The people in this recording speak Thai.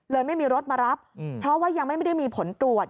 ไม่มีรถมารับเพราะว่ายังไม่ได้มีผลตรวจ